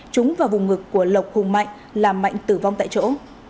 trúng vào vùng ngực của lộc hùng mạnh làm mạnh tử vong tại chỗ